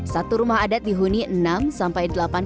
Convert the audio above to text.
satu rumah adat dihuni enam sampai dua tahun